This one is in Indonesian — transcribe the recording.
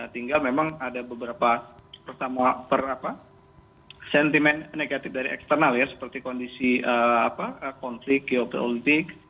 tinggal memang ada beberapa persamaan sentimen negatif dari eksternal seperti kondisi konflik geopolitik